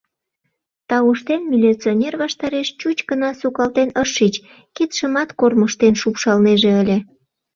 Тауштен, милиционер ваштареш чуч гына сукалтен ыш шич, кидшымат кормыжтен шупшалнеже ыле.